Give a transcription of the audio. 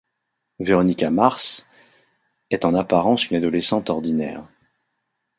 Veronica Mars est en apparence une adolescente ordinaire.